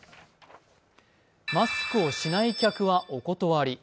マスクをしない客はお断り。